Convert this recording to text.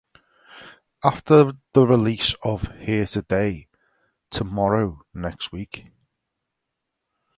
After the release of Here Today, Tomorrow Next Week!